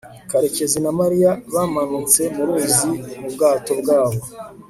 karekezi na mariya bamanutse mu ruzi mu bwato bwabo